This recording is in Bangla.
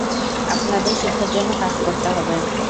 আপনাদের সুখের জন্য কাজ করতে হবে।